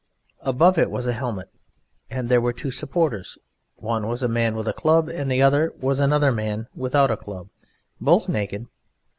Above it was a helmet, and there were two supporters: one was a man with a club, and the other was another man without a club, both naked.